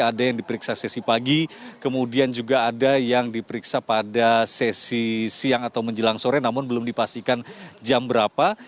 ada yang diperiksa sesi pagi kemudian juga ada yang diperiksa pada sesi siang atau menjelang sore namun belum dipastikan jam berapa